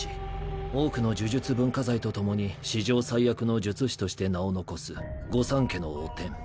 多くの呪術文化財と共に史上最悪の術師として名を残す御三家の汚点